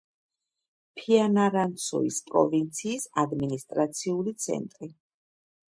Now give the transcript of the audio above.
ფიანარანცუის პროვინციის ადმინისტრაციული ცენტრი.